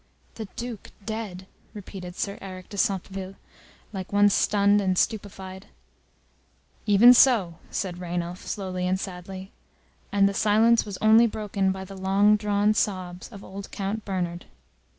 "The Duke dead!" repeated Sir Eric de Centeville, like one stunned and stupefied. "Even so," said Rainulf, slowly and sadly, and the silence was only broken by the long drawn sobs of old Count Bernard.